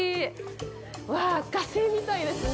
うわあ、火星みたいですね。